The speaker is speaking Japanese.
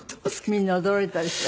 みんな驚いたでしょ？